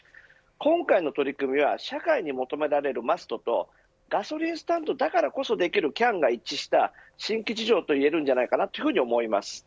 今回の取り組みは社会に求められるマストとガソリンスタンドだからこそできるキャンが一致した新規事業といえるんじゃないかと思います。